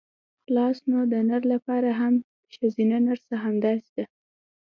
خلاص نو د نر لپاره هم ښځينه نرسه همداسې ده.